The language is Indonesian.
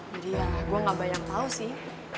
jadi ya gue gak bayang tau sih